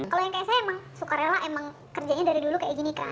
kalau yang kayak saya emang suka rela emang kerjanya dari dulu kayak jenika